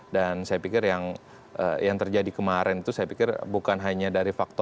dan saya pikir yang terjadi kemarin itu saya pikir bukan hanya dari fakultas